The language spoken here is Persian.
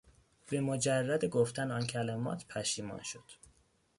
به مجرد گفتن آن کلمات پشیمان شد.